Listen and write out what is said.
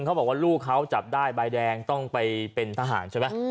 เขาบอกว่าลูกเขาจับได้ใบแดงต้องไปเป็นทหารใช่ไหม